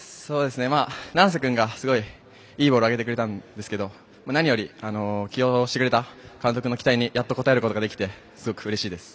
七聖君がすごいいいボール上げてくれたんですが何より起用してくれた監督の期待に応えることができてうれしいです。